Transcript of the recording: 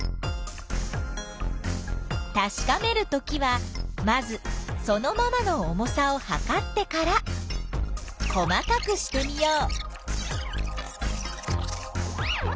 たしかめるときはまずそのままの重さをはかってから細かくしてみよう！